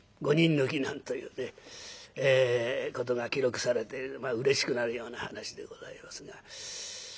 なんということが記録されてうれしくなるような話でございますが。